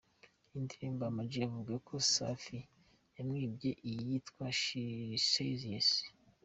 Iyi ndirimbo Ama-G avuga ko Safi yamwibye ni iyitwa ‘She Says Yes’.